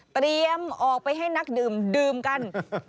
ออกไปให้นักดื่มดื่มกัน